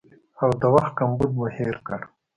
او د وخت کمبود مو هېر کړ